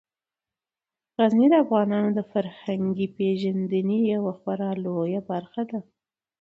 غزني د افغانانو د فرهنګي پیژندنې یوه خورا لویه برخه ده.